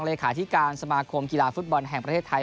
ล่าสุดสมาคมกีฬาฟุตบอลแห่งประเทศไทย